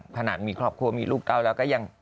ขนาดมีครอบครัวมีลูกเก้าแล้วก็ยัง